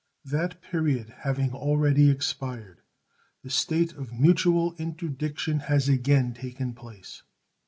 That period having already expired, the state of mutual interdiction has again taken place.